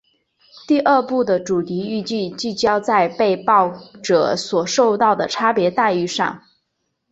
第二部的主题预计聚焦在被爆者所受到的差别待遇上。